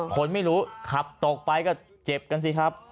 คนไม่รู้ขับตกไปก็เจ็บกันสิครับ